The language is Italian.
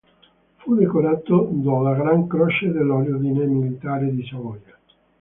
Fu decorato della gran croce dell'Ordine Militare di Savoia.